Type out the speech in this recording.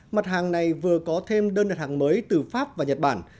mặt hàng này vừa có thêm đơn đặt hàng mới từ pháp và nhật bản